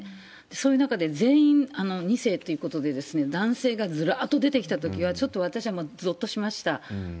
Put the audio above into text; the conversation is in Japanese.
そういう中で全員２世っていうことで、男性がずらーっと出てきたときは、ちょっと私はぞっとしました。